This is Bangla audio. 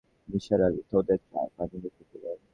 নিসার আলি ক্টোড়ে চায়ের পানি বসিয়ে দিলেন।